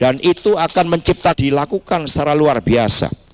dan itu akan mencipta dilakukan secara luar biasa